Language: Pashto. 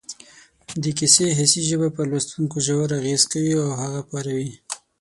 د کیسې حسي ژبه پر لوستونکي ژور اغېز کوي او هغه پاروي